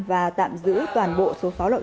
và tạm giữ toàn bộ số pháo lậu